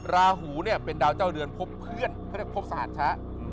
ราหูเนี่ยเป็นดาวเจ้าเรือนพบเพื่อนเขาเรียกพบสหัสชะ